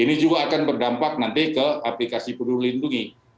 itu akan berdampak nanti ke aplikasi peduli lindungi